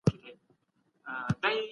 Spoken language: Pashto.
استاد ښه دئ.